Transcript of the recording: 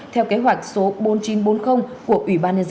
theo kế hoạch số bốn nghìn chín trăm bốn mươi của ubnd